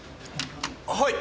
はい。